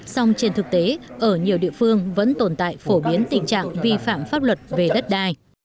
song trên thực tế ở nhiều địa phương vẫn tồn tại phổ biến tình trạng vi phạm pháp luật về đất đai